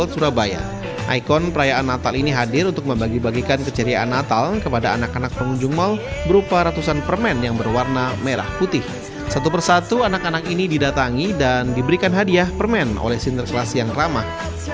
sinterklas ini didatangi dan diberikan hadiah permen oleh sinterklas yang ramah